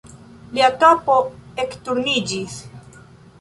Lia kapo ekturniĝis.